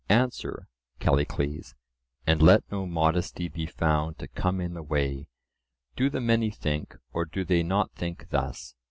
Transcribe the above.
Answer, Callicles, and let no modesty be found to come in the way; do the many think, or do they not think thus?